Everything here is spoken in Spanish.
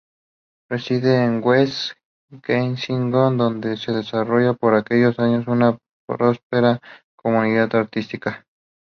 Reside en West Kensington, donde se desarrolla por aquellos años una próspera comunidad artística.